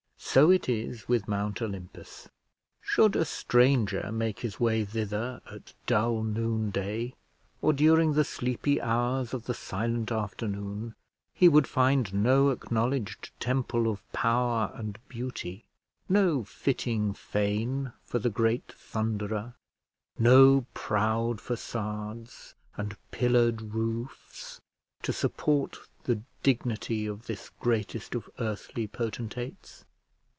So it is with Mount Olympus. Should a stranger make his way thither at dull noonday, or during the sleepy hours of the silent afternoon, he would find no acknowledged temple of power and beauty, no fitting fane for the great Thunderer, no proud façades and pillared roofs to support the dignity of this greatest of earthly potentates.